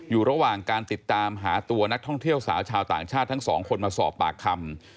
อยู่ระหว่างการติดตามหาตัวนักท่องเที่ยวสาวชาวต่างชาติทั้งสองคนมาสอบปากคำ